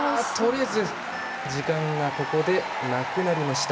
時間がなくなりました。